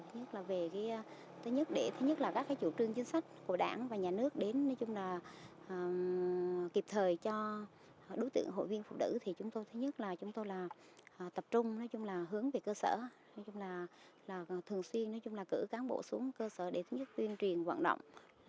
nói chung là thường xuyên cử cán bộ xuống cơ sở để tuyên truyền hoạt động